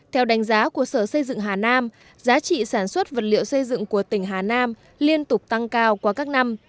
theo đánh giá của sở xây dựng hà nam giá trị sản xuất vật liệu xây dựng của tỉnh hà nam liên tục tăng cao qua các năm